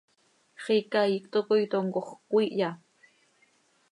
¿Xiica iicto coi tomcoj cöquiihya?